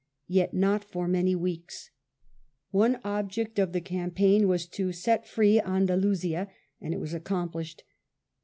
Yet not for many weeks. One object of the campaign was to set free Andalusia, and it was accomplished.